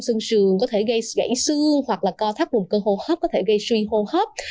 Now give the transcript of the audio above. sương sườn có thể gây gãy sương hoặc là co thắt vùng cơ hô hấp có thể gây suy hô hấp